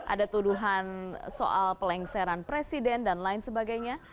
ada tuduhan soal pelengseran presiden dan lain sebagainya